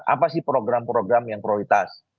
apa sih program program yang prioritas